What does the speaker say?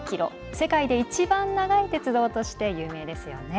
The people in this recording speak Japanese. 世界で一番長い鉄道として有名ですよね。